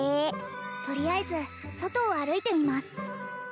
とりあえず外を歩いてみます